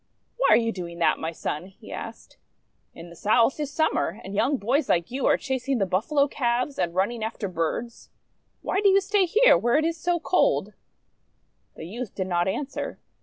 "Why are you doing that, my Son?" he asked. " In the South is Summer, and young boys like you are chasing the Buffalo calves and running after birds. Why do you stay here where it is so cold? ' The youth did not answer.